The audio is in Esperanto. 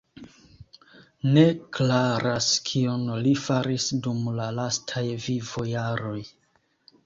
Ne klaras kion li faris dum la lastaj vivojaroj.